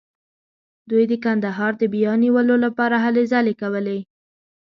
دوی د کندهار د بیا نیولو لپاره هلې ځلې کولې.